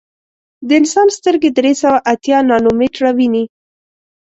د انسان سترګې درې سوه اتیا نانومیټره ویني.